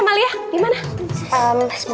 jangan lupa like share dan subscribe